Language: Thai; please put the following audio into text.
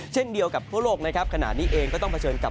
เช่นเดียวกับทั่วโลกนะครับขณะนี้เองก็ต้องเผชิญกับ